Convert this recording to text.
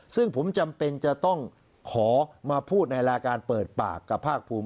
ซึ่งผมจำเป็นจะต้องขอมาพูดในรายการเปิดปากกับภาคภูมิ